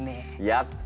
やった！